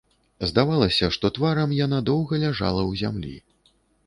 Здавалася, што тварам яна доўга ляжала ў зямлі.